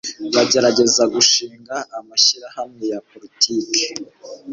bagerageza gushinga amashyirahamwe ya politiki